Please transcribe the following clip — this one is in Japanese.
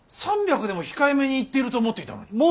３００でも控えめに言っていると思っていたのに。